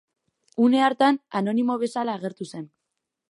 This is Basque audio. Une hartan anonimo bezala agertu zen.